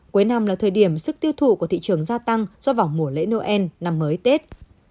cuối năm là thời điểm sức tiêu thụ của thị trường gia tăng do vào mùa lễ noel năm mới tết